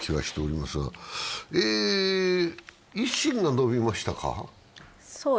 維新が伸びましたか？